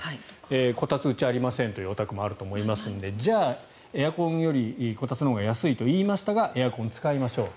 こたつうちありませんというお宅もあると思いますのでエアコンよりこたつのほうが安いと言いましたがエアコンを使いましょう。